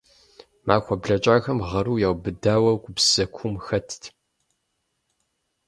Махуэ блэкӏахэм гъэру яубыдауэ, гупсысэ куум хэтт.